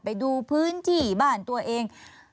ไปดูพื้นที่บ้านตัวเอง